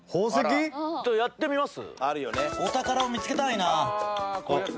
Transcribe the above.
ちょっとやってみます？